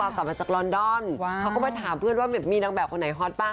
กลับมาจากลอนดอนเขาก็มาถามเพื่อนว่ามีนางแบบคนไหนฮอตบ้าง